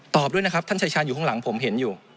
ด้วยนะครับท่านชายชาญอยู่ข้างหลังผมเห็นอยู่